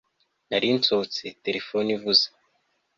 nari nsohotse, telefone ivuze